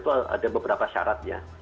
itu ada beberapa syaratnya